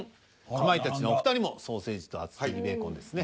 かまいたちのお二人も「ソ―セ―ジと厚切りベ―コン」ですね。